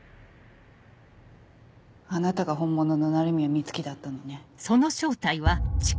あなたが本物の鳴宮美月だったのね。